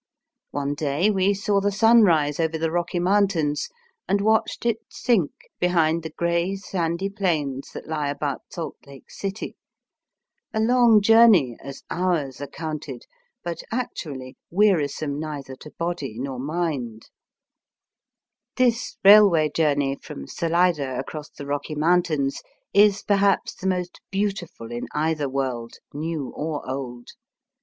One day we saw the sun rise over the Eocky Mountains, and watched it sink behind the grey, sandy plains that lie about Salt Lake City — a long journey as hours are counted, but actually wearisome neither to body nor mind. Digitized by VjOOQIC ON THE RAILWAY CARS. 163 This railway journey from Salida across the Eooky Mountains is perhaps the most heautiful in either world, New or Old.